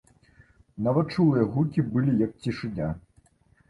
Нават чулыя гукі былі як цішыня.